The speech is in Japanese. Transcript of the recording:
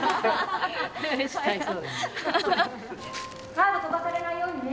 カード飛ばされないようにね。